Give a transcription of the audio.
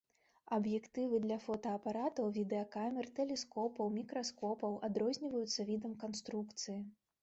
Аб'ектывы для фотаапаратаў, відэакамер, тэлескопаў, мікраскопаў адрозніваюцца відам канструкцыі.